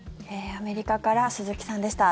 アメリカから鈴木さんでした。